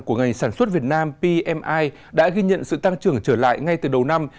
của ngành sản xuất việt nam pmi đã ghi nhận sự tăng trưởng trở lại ngay từ đầu năm